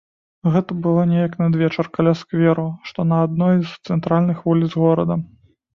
Гэта было неяк надвечар каля скверу, што на адной з цэнтральных вуліц горада.